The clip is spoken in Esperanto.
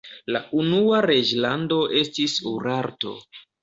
La unua reĝlando estis Urarto.